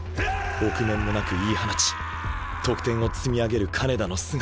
臆面もなく言い放ち得点を積み上げる金田の姿。